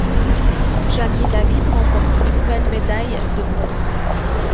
Jamie et David remportent une nouvelle médaille de bronze.